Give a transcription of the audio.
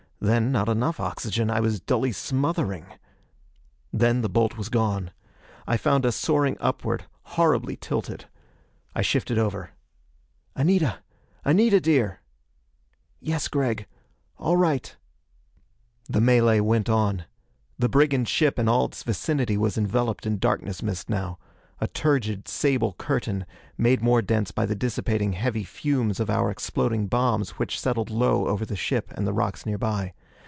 Then not enough oxygen. I was dully smothering.... Then the bolt was gone. I found us soaring upward, horribly tilted. I shifted over. "Anita! Anita, dear!" "Yes. Gregg. All right." The melee went on. The brigand ship and all its vicinity was enveloped in darkness mist now a turgid sable curtain, made more dense by the dissipating heavy fumes of our exploding bombs which settled low over the ship and the rocks nearby.